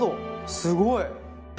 すごい！